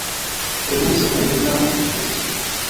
První jsou nevyhnutelně prostředky.